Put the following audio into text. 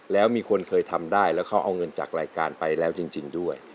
แล้วมีคนเคยทำได้แล้วเขาเอาเงินจากรายการไปแล้วจริงด้วย